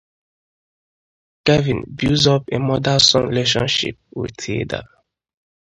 Kevin builds up a mother-son relationship with Hilda.